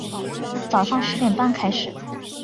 早上十点半开始